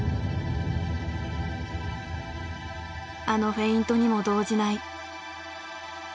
あのフェイントにも動じない。